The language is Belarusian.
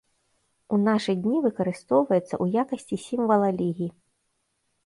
У нашы дні выкарыстоўваецца ў якасці сімвала лігі.